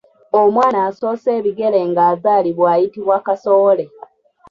Omwana asoosa ebigere ng'azalibwa ayitibwa Kasowole.